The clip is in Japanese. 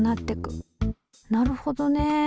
なるほどね。